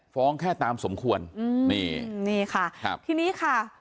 ฟ้องแค่ตามสมควรนี่ค่ะทีนี้ค่ะ